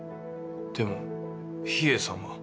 でも秘影さんは。